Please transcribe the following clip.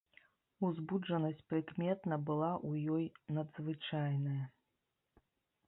Узбуджанасць прыкметна была ў ёй надзвычайная.